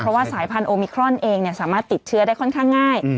เพราะว่าสายพันธุมิครอนเองสามารถติดเชื้อได้ค่อนข้างง่าย